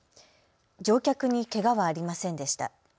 乗客にけがはありませんでした。